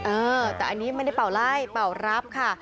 เออแต่อันนี้ไม่ได้เป่าไล่เป่ารับค่ะ